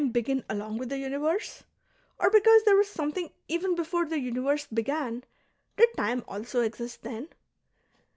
begin along with the universe, or, because there was something even before the universe began, did time also exist then